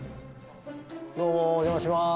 どうもお邪魔します。